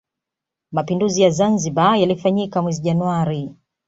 mapinduzi ya zanzibar yalifanyika mwezi januari